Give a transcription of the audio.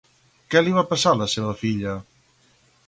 Què li va passar a la seva filla?